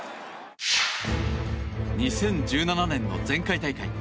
２０１７年の前回大会。